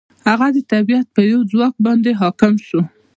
هغه د طبیعت په یو ځواک باندې حاکم شو.